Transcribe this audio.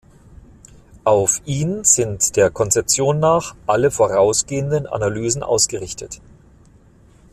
Auf ihn sind der Konzeption nach alle vorausgehenden Analysen ausgerichtet.